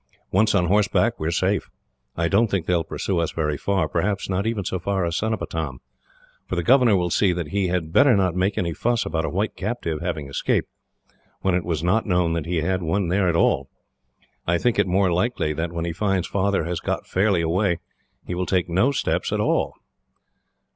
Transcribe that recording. Once on horseback, we are safe. I don't think they will pursue very far perhaps not even so far as Cenopatam; for the governor will see that he had better not make any fuss about a white captive having escaped, when it was not known that he had one there at all. I think it more likely that, when he finds Father has got fairly away, he will take no steps at all.